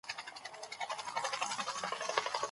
طبي شورا د ډاکټرانو کارونه ارزول.